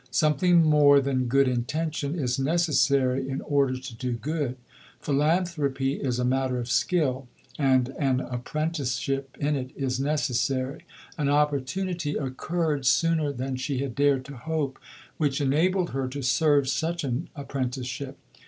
Something more than good intention is necessary in order to do good. Philanthropy is a matter of skill, and an apprenticeship in it is necessary. An opportunity occurred sooner than she had dared to hope which enabled her to serve such an apprenticeship.